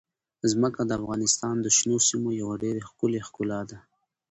ځمکه د افغانستان د شنو سیمو یوه ډېره ښکلې ښکلا ده.